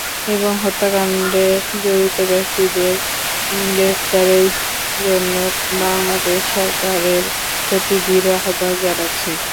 এবং হত্যাকাণ্ডে জড়িত ব্যক্তিদের গ্রেপ্তারের জন্য বাংলাদেশ সরকারের প্রতি দৃঢ় আহ্বান জানাচ্ছি।